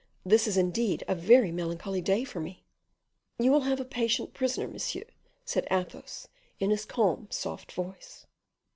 this is indeed a very melancholy day for me." "You will have a patient prisoner, monsieur," said Athos, in his calm, soft voice.